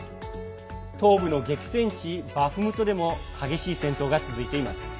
東部の激戦地バフムトでも激しい戦闘が続いています。